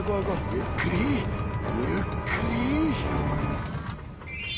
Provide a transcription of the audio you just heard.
ゆっくりゆっくり。